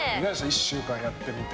１週間やってみて。